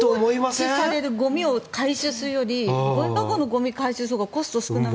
放置されるゴミを回収するよりゴミ箱のゴミを回収するほうがコストがかからない。